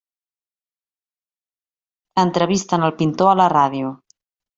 Entrevisten el pintor a la ràdio.